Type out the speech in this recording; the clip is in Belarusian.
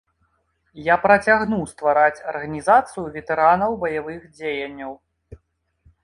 Я працягну ствараць арганізацыю ветэранаў баявых дзеянняў.